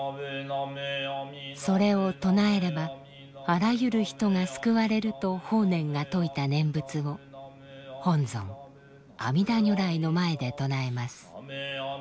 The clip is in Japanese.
それを唱えればあらゆる人が救われると法然が説いた念仏を本尊阿弥陀如来の前で唱えます。